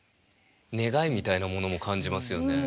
願いみたいなものも感じますよね。